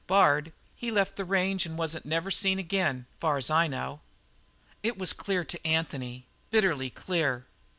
Bard, he left the range and wasn't never seen again, far as I know." It was clear to Anthony, bitterly clear.